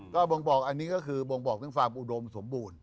ก็บ่งบอกอันนี้ก็คือบ่งบอกถึงความอุดมสมบูรณ์